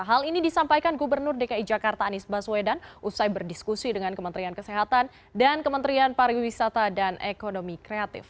hal ini disampaikan gubernur dki jakarta anies baswedan usai berdiskusi dengan kementerian kesehatan dan kementerian pariwisata dan ekonomi kreatif